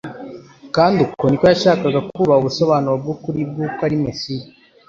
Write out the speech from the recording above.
kandi uko niko yashakaga kubaha ubusobanuro bw'ukuri bw'uko ari Mesiya.